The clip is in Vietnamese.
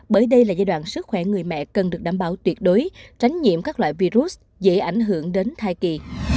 bởi đây là giai đoạn sức khỏe người mẹ cần được đảm bảo tuyệt đối tránh nhiễm các loại virus dễ ảnh hưởng đến thai kỳ